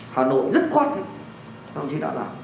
hà nội rất khó chịu trong khi đã làm